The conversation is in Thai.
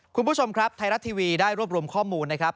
คุณผู้ชมครับไทยรัฐทีวีได้รวบรวมข้อมูลนะครับ